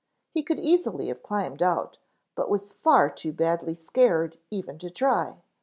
He could easily have climbed out, but was far too badly scared even to try.